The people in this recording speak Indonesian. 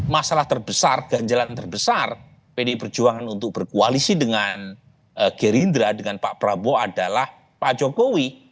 masalah terbesar ganjalan terbesar pdi perjuangan untuk berkoalisi dengan gerindra dengan pak prabowo adalah pak jokowi